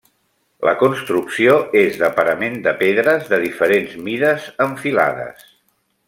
La construcció és de parament de pedres de diferents mides en filades.